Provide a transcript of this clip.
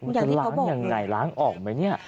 จะล้างยังไงล้างออกไหมเนี่ย